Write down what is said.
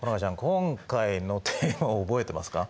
今回のテーマを覚えてますか？